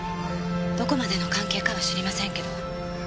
どこまでの関係かは知りませんけど。